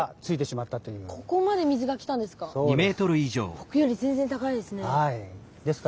ぼくより全然高いですね。